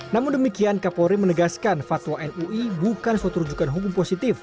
namun demikian kapolri menegaskan fatwa mui bukan suatu rujukan hukum positif